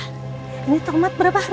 ini tomat berapa harga